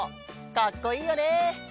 かっこいいよね！